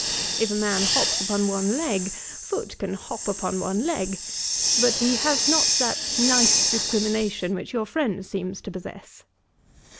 If a man hops upon one leg, Foote can hop upon one leg. But he has not that nice discrimination which your friend seems to possess.